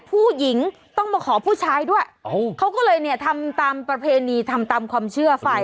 ผู้หญิงต้องมาขอผู้ชายด้วยเขาก็เลยเนี่ยทำตามประเพณีทำตามความเชื่อฝ่าย